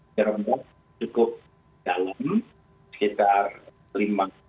jeremut cukup dalam sekitar lima tiga persen